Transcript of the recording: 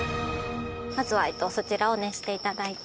まずはそちらを熱して頂いて。